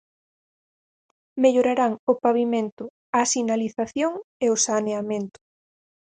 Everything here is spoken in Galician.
Mellorarán o pavimento, a sinalización e o saneamento.